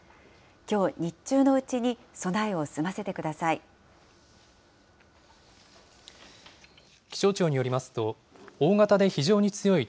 きょう日中のうちに備えを済ませてください。